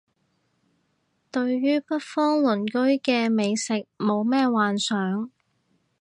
對於北方鄰居嘅美食冇咩幻想